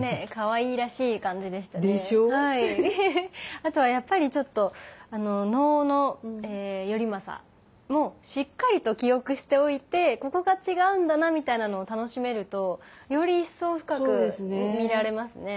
あとはやっぱりちょっと能の「頼政」もしっかりと記憶しておいてここが違うんだなみたいなのを楽しめるとより一層深く見られますね。